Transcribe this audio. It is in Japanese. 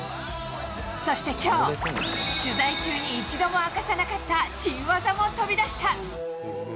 そしてきょう、取材中に一度も明かさなかった新技も飛び出した。